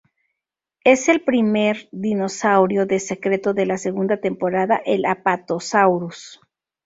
Es el primer dinosaurio de secreto de la segunda temporada el Apatosaurus.